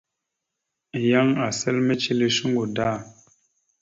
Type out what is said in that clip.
Yan asal mecəle shuŋgo da.